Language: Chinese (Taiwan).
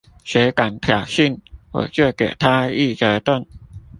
誰敢挑釁，我就給他一折凳！